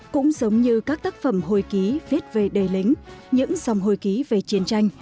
cũng giống như các tác phẩm hồi ký viết về đề lĩnh những dòng hồi ký về chiến tranh